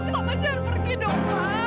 papa jangan pergi dong pa